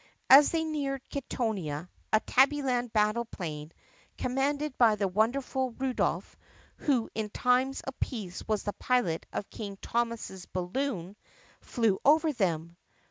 As they neared Kittonia a Tabbyland battle plane, commanded by the wonderful Rudolph, who in times of peace was the pilot of King Thomas's balloon, flew over them.